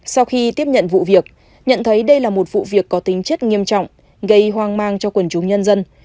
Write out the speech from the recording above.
sau khi tiếp nhận vụ việc nhận thấy đây là một vụ việc có tính chất nghiêm trọng gây hoang mang cho quần chúng nhân dân